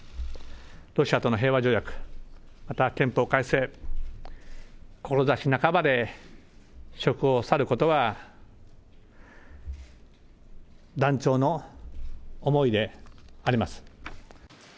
ロシアとの平和条約、また憲法改正、志半ばで職を去ることは、断腸の思いであります。